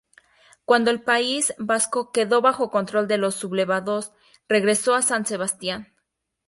Cuando el País Vasco quedó bajo control de los sublevados, regresó a San Sebastián.